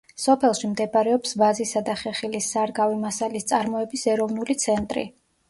სოფელში მდებარეობს ვაზისა და ხეხილის სარგავი მასალის წარმოების ეროვნული ცენტრი.